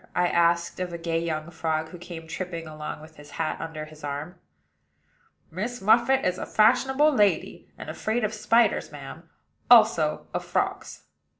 I asked of a gay young frog who came tripping along with his hat under his arm. "Miss Muffit is a fashionable lady, and afraid of spiders, madam; also of frogs."